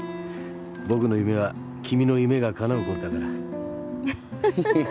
僕の夢は君の夢がかなうことだから